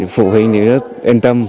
phụ huynh rất yên tâm